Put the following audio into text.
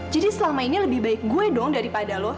jadi selama ini lebih baik gue dong daripada lo